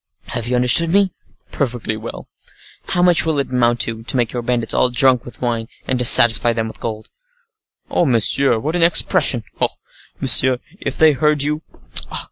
"Have you understood me?" "Perfectly well." "How much will it amount to, to make your bandits all drunk with wine, and to satisfy them with gold?" "Oh, monsieur, what an expression! Oh! monsieur, if they heard you!